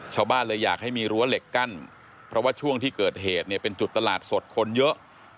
ชาวบ้านเลยอยากให้มีรั้วเหล็กกั้นเพราะว่าช่วงที่เกิดเหตุเนี่ยเป็นจุดตลาดสดคนเยอะ